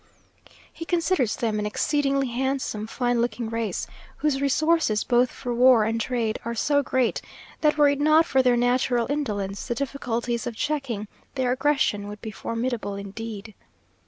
He considers them an exceedingly handsome, fine looking race; whose resources, both for war and trade, are so great, that were it not for their natural indolence, the difficulties of checking their aggression would be formidable indeed.